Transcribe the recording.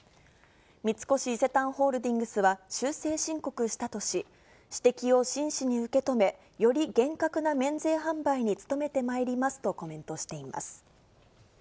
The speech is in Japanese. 三越伊勢丹ホールディングスは修正申告したとし、指摘を真摯に受け止め、より厳格な免税販売に努めてまいりますとコメントしています。